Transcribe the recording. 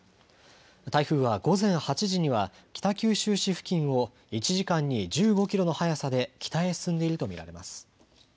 台風は午前８時には北九州市付近を１時間に１５キロの速さで北へ進んでいると見られます。